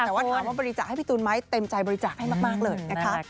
สามารถบริจาค์ให้พี่ธูนไม้เต็มใจบริจาค์ให้มากเลย